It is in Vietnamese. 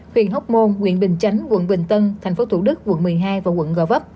huyện hóc môn huyện bình chánh quận bình tân tp thủ đức quận một mươi hai và quận gò vấp